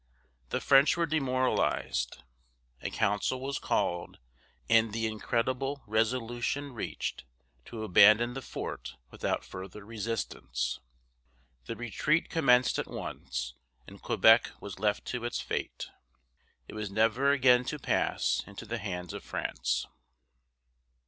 The French were demoralized; a council was called and the incredible resolution reached to abandon the fort without further resistance. The retreat commenced at once, and Quebec was left to its fate. It was never again to pass into the hands of France.